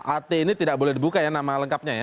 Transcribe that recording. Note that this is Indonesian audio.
at ini tidak boleh dibuka ya nama lengkapnya ya